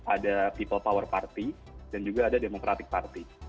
ada people power party dan juga ada democratic party